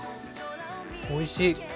おいしい。